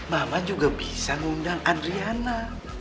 mama juga bisa ngundang adriana